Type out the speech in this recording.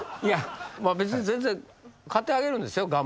いや別に全然買ってあげるんですよ。